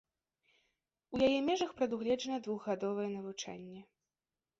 У яе межах прадугледжана двухгадовае навучанне.